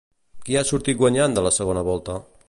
Qui ha sortit guanyant de la segona volta?